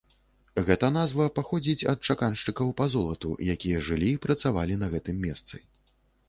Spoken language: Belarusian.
Гэта назва паходзіць ад чаканшчыкаў па золату, якія жылі і працавалі на гэтым месцы.